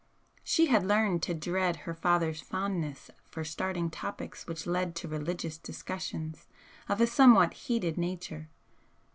She had learned to dread her father's fondness for starting topics which led to religious discussions of a somewhat heated nature.